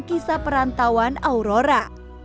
kisah perantauan aurora